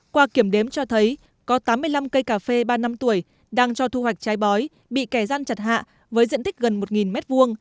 qua kiểm đếm cho thấy có tám mươi năm cây cà phê ba năm tuổi đang cho thu hoạch trái bói bị kẻ gian chặt hạ với diện tích gần một m hai